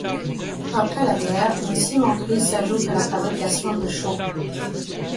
Après la guerre, une cimenterie s'ajoute à la fabrication de chaux.